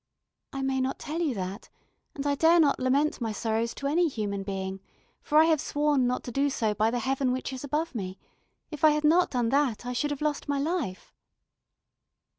"I may not tell you that, and I dare not lament my sorrows to any human being, for I have sworn not to do so by the heaven which is above me; if I had not done that, I should have lost my life."